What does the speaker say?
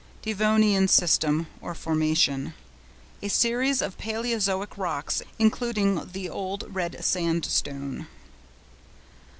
DEVONIAN SYSTEM or FORMATION.—A series of Palæozoic rocks, including the Old Red Sandstone.